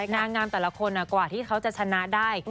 นางงามแต่ละคนกว่าที่เขาจะชนะได้